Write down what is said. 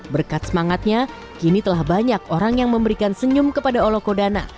berkat semangatnya kini telah banyak orang yang memberikan senyum kepada olokodana